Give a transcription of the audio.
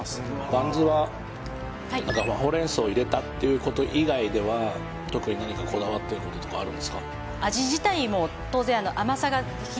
バンズははいほうれん草入れたっていうこと以外では特に何かこだわってることとかあるんですか？